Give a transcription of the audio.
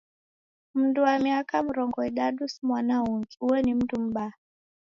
Mndu wa miaka mrongo idadu si mwana ungi, uo ni mndu m'baa.